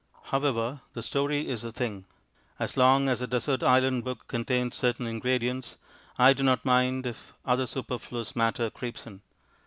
However, the story is the thing. As long as a desert island book contains certain ingredients, I do not mind if other superfluous matter creeps in.